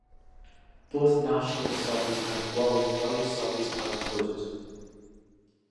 Both national surveys and worldwide surveys are included.